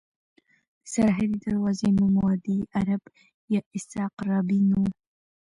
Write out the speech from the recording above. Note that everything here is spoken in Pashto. د سرحدي دروازې نوم وادي عرب یا اسحاق رابین وو.